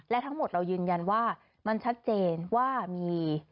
และทั้งหมดเรายืนยันว่ามันชัดเจนว่ามี